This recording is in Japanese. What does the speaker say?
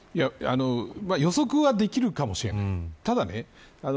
予測はできるかもしれない。